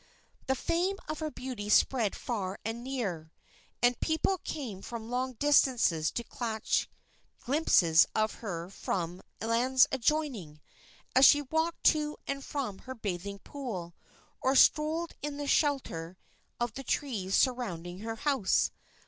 The fame of her beauty spread far and near, and people came from long distances to catch glimpses of her from lands adjoining, as she walked to and from her bathing pool or strolled in the shelter of the trees surrounding her house.